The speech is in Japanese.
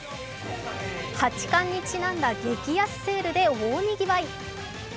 八冠にちなんだ激安セールで大にぎわい。